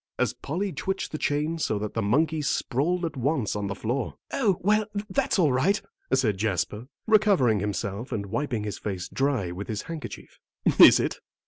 as Polly twitched the chain so that the monkey sprawled at once on the floor. "Oh, well, that's all right," said Jasper, recovering himself and wiping his face dry with his handkerchief. "Is it?"